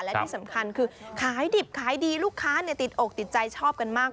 และที่สำคัญคือขายดิบขายดีลูกค้าติดอกติดใจชอบกันมาก